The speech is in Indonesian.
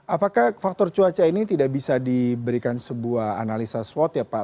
apakah faktor cuaca ini tidak bisa diberikan sebuah analisa swat ya pak